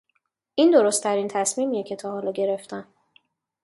این درست ترین تصمیمیه که تا حالا گرفتم